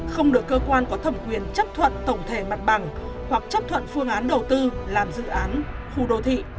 không được cơ quan có thẩm quyền chấp thuận tổng thể mặt bằng hoặc chấp thuận phương án đầu tư làm dự án khu đô thị